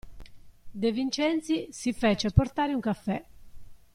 De Vincenzi si fece portare un caffè.